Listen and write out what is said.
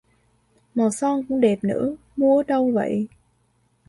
Màu son cũng đẹp nữa mua ở đâu vậy